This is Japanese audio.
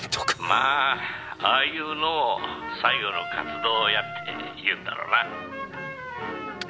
「まあああいうのを『最後の活動屋』っていうんだろうな」